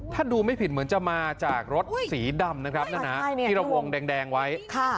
ถ้าดูไม่ผิดเหมือนจะมาจากรถสีดำนะครับนั่นนะที่เราวงแดงไว้